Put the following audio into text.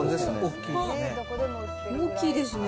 大きいですね。